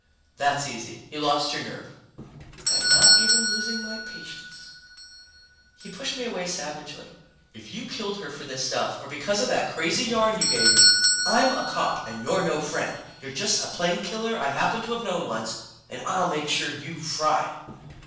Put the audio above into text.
"That's easy. You lost your nerve." "I'm not even losing my patience." He pushed me away savagely. "If you killed her for this stuff or because of that crazy yarn you gave me, I'm a cop and you're no friend. You're just a plain killer I happened to have known once, and I'll make sure you fry."